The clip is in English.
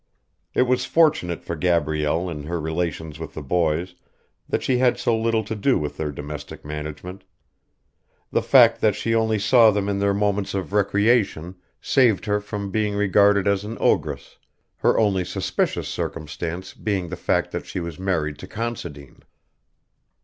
It was fortunate for Gabrielle in her relations with the boys that she had so little to do with their domestic management. The fact that she only saw them in their moments of recreation saved her from being regarded as an ogress, her only suspicious circumstance being the fact that she was married to Considine.